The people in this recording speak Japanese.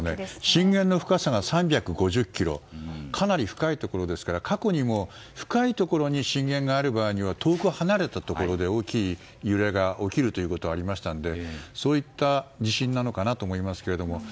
震源の深さはおよそ３５０ｋｍかなり深いところですが過去にも深いところに震源がある場合には遠く離れたところで大きい揺れが起きることがありましたのでそういった地震なのかなと思いますけども。